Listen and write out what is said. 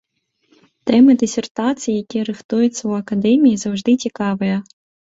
Тэмы дысертацый, якія рыхтуюцца ў акадэміі, заўжды цікавыя.